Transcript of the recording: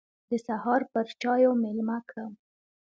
د سهار پر چايو مېلمه کړم.